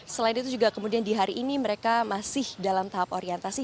selain itu juga kemudian di hari ini mereka masih dalam tahap orientasi